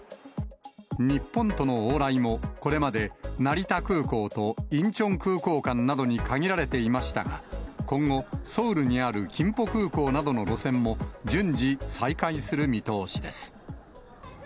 日本との往来も、これまで成田空港とインチョン空港間などに限られていましたが、今後、ソウルにあるキンポ空港などの路線も、順次再開する見通しです。